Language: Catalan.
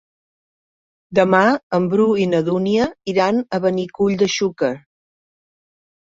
Demà en Bru i na Dúnia iran a Benicull de Xúquer.